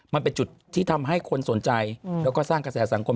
มันเป็นจุดที่ทำให้คนสนใจแล้วก็สร้างกระแสสังคม